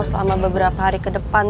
selama beberapa hari ke depan